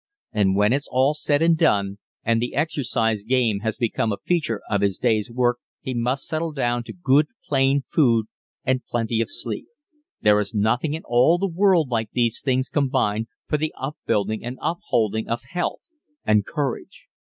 And when it's all said and done and the exercise game has become a feature of his day's work, he must settle down to good plain food and plenty of sleep. There is nothing in all the world like these things combined for the upbuilding and upholding of health and courage.